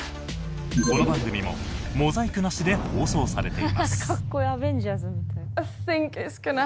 この番組もモザイクなしで放送されています。